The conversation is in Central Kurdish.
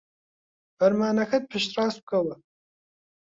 فەرمانەکە پشتڕاست بکەوە.